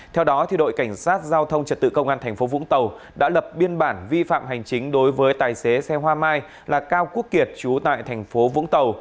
theo đó đội cảnh sát giao thông trật tự công an tp vũng tàu đã lập biên bản vi phạm hành chính đối với tài xế xe hoa mai là cao quốc kiệt trú tại thành phố vũng tàu